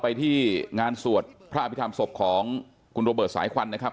ไปที่งานสวดพระอภิษฐรรมศพของคุณโรเบิร์ตสายควันนะครับ